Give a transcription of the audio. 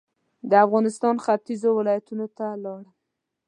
د افغانستان ختيځو ولایتونو ته لاړم.